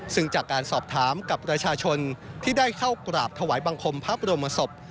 ซึ่งจากการสอบถามกับประชาชนที่ได้เข้ากราบถวายบังคมพระบรมศพ